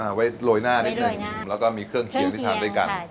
เอาไว้โรยหน้านิดนึงแล้วก็มีเครื่องเคียวที่ทานด้วยกัน